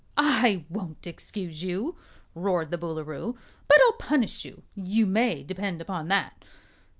"I won't excuse you!" roared the Boolooroo. "But I'll punish you. You may depend upon that."